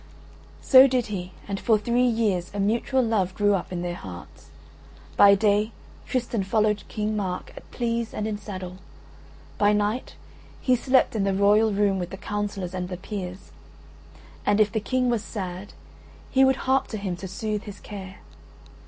So did he, and for three years a mutual love grew up in their hearts. By day Tristan followed King Mark at pleas and in saddle; by night he slept in the royal room with the councillors and the peers, and if the King was sad he would harp to him to soothe his care.